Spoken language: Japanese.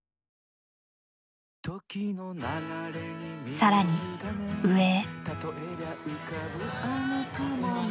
更に上へ。